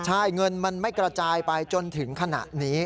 ใช่เงินมันไม่กระจายไปจนถึงขณะนี้